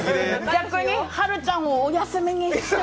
逆に、はるちゃんをお休みにして。